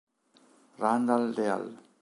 Randall Leal